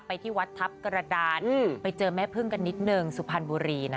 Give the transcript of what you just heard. ที่วัดทัพกระดานไปเจอแม่พึ่งกันนิดนึงสุพรรณบุรีนะ